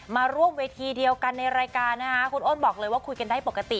มาร่วมเวทีเดียวกันในรายการนะคะคุณอ้นบอกเลยว่าคุยกันได้ปกติ